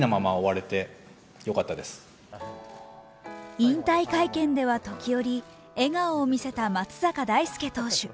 引退会見では時折、笑顔を見せた松坂大輔投手。